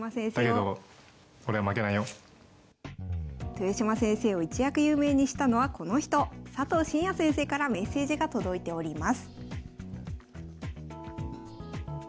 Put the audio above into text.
豊島先生を一躍有名にしたのはこの人佐藤紳哉先生からメッセージが届いております。